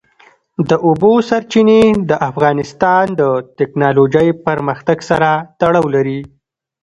د اوبو سرچینې د افغانستان د تکنالوژۍ پرمختګ سره تړاو لري.